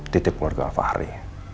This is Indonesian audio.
titip keluarga fahri